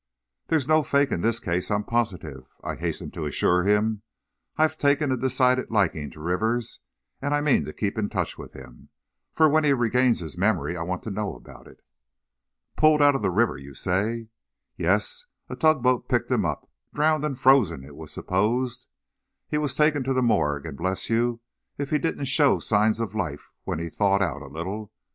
"There's no fake in this case, I'm positive," I hastened to assure him; "I've taken a decided liking to Rivers, and I mean to keep in touch with him, for when he regains his memory I want to know about it." "Pulled out of the river, you say?" "Yes, a tugboat picked him up, drowned and frozen, it was supposed. He was taken to the morgue, and bless you, if he didn't show signs of life when he thawed out a little.